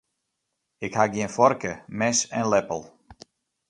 Ik ha gjin foarke, mes en leppel.